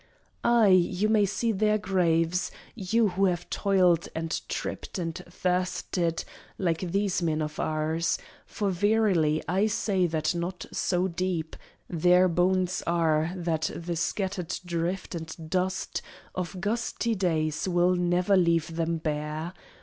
Aye, you may see their graves you who have toiled And tripped and thirsted, like these men of ours; For, verily, I say that not so deep Their bones are that the scattered drift and dust Of gusty days will never leave them bare.